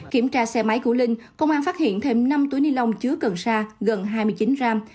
kiểm tra xe máy của linh công an phát hiện thêm năm túi ni lông chứa cần sa gần hai mươi chín gram